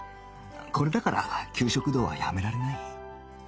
これだから給食道はやめられない